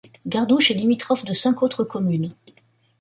Gardouch est limitrophe de cinq autres communes.